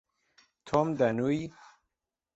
تۆم، دەنووی؟